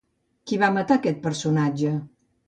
Qui va matar aquest personatge?